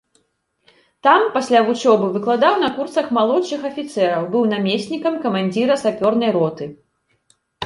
Там пасля вучобы выкладаў на курсах малодшых афіцэраў, быў намеснікам камандзіра сапёрнай роты.